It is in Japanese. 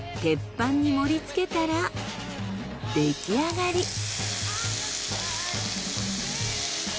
鉄板に盛りつけたら出来上がり。